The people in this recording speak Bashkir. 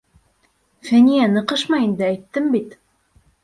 Фәниә, ныҡышма инде, әйттем бит!